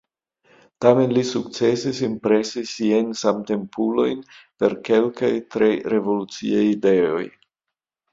Tamen li sukcesis impresi siajn samtempulojn per kelkaj tre revoluciaj ideoj.